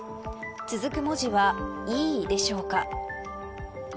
続く文字は、Ｅでしょうか。